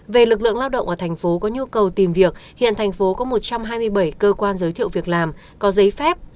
về lực lượng lao động ở tp có nhu cầu tìm việc hiện tp có một trăm hai mươi bảy cơ quan giới thiệu việc làm có giấy phép